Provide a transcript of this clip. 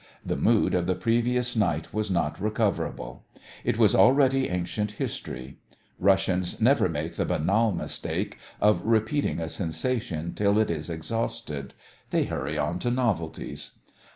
The mood of the previous night was not recoverable; it was already ancient history. Russians never make the banal mistake of repeating a sensation till it is exhausted; they hurry on to novelties.